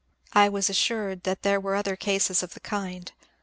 I was as sured that there were other cases of the kind.